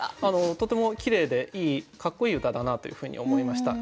とてもきれいでかっこいい歌だなというふうに思いました。